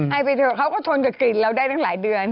ให้ไปเถอะเขาก็ทนกับกลิ่นเราได้ตั้งหลายเดือน